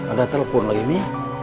ada telepon lagi mi